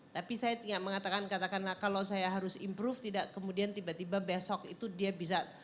tapi saya tidak mengatakan katakanlah kalau saya harus improve tidak kemudian tiba tiba besok itu dia bisa